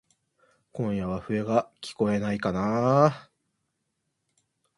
今夜は笛がきこえないかなぁ。